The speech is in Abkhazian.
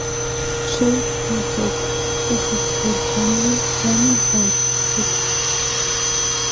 Ҽыҩ наӡоуп, фышықәса ирҭамлеи, иамазааит насыԥ!